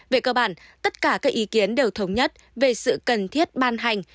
về cơ bản tất cả các ý kiến đều thống nhất về sự cần thiết ban hành